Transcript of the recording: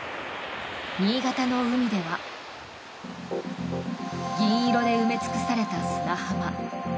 新潟の海では銀色で埋め尽くされた砂浜。